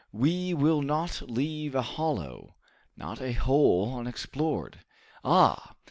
We will not leave a hollow, not a hole unexplored! Ah!